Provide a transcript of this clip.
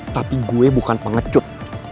tapi gue bukan pengecut